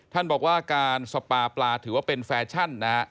ท่านบอกว่าการสปาปลาถือว่าเป็นแฟชั่นนะฮะ